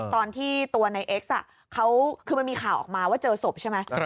ตอนที่ตัวในเอ็กซ์คือมันมีข่าวออกมาว่าเจอศพใช่ไหม